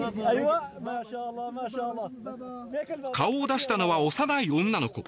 顔を出したのは幼い女の子。